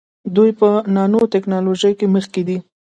دوی په نانو ټیکنالوژۍ کې مخکې دي.